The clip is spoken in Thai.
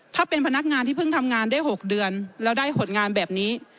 ถ้าเป็นพนักงานที่เพิ่งทำงานได้๖เดือนแล้วได้ผลงานแบบนี้